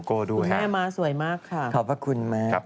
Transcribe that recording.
ขอบพระคุณมาก